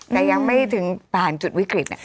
แต่ยังไม่ถึงผ่านจุดวิกฤต